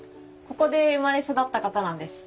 ここで生まれ育った方なんです。